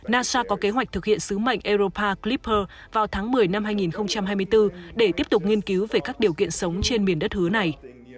nasa có kế hoạch thực hiện sứ mệnh aeropa clipper vào tháng một mươi năm hai nghìn hai mươi bốn để tiếp tục nghiên cứu về các điều kiện sống trên miền đất hứa này